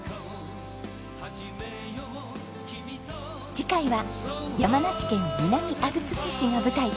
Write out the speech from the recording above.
次回は山梨県南アルプス市が舞台。